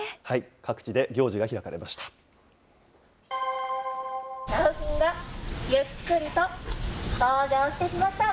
各地で行事が開かれました。